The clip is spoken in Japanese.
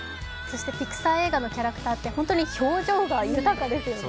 ピクサー映画のキャラクターは本当に表情が豊かですね。